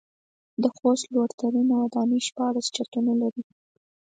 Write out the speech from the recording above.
د خوست لوړ ترينه وداني شپاړس چتونه لري.